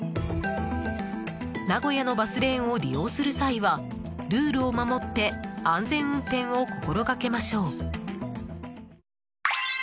名古屋のバスレーンを利用する際はルールを守って安全運転を心がけましょう。